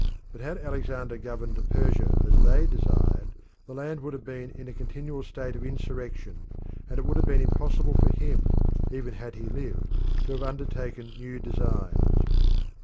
But had Alexander governed Persia as they desired, the land would have been in a continual state of insurrection, and it would have been impossible for him, even had he lived, to have undertaken new designs.